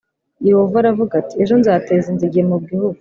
yehova aravuga ati ejo nzateza inzige mu gihugu